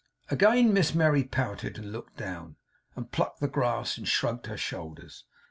Again Miss Merry pouted, and looked down, and plucked the grass, and shrugged her shoulders.